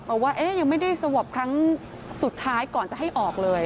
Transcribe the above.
บอกว่ายังไม่ได้สวอปครั้งสุดท้ายก่อนจะให้ออกเลย